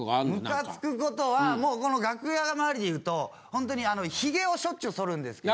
ムカつくことはもうこの楽屋まわりでいうとホントにヒゲをしょっちゅう剃るんですけど。